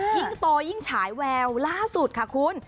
ยิ่งโตยิ่งฉายแววล่าสุดค่ะคุณ